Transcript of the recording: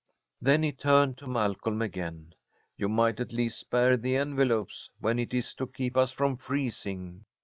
Then he turned to Malcolm again. "You might at least spare the envelopes when it's to keep us from freezing.